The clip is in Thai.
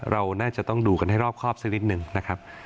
เราน่าจะต้องดูกันให้รอบครอบสักนิดหนึ่งนะครับ